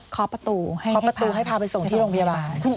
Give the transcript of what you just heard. เคาะประตูให้พาไปส่งที่โรงพยาบาล